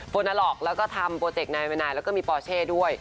โฟนาหลอกแล้วก็ทำโปรเจกต์๙๙๙แล้วก็มีปอร์เช่ด้วย